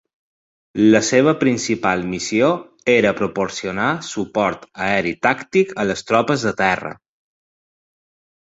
La seva principal missió era proporcionar suport aeri tàctic a les tropes de terra.